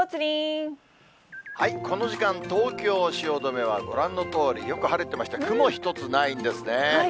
この時間、東京・汐留はご覧のとおり、よく晴れてまして、雲一つないんですね。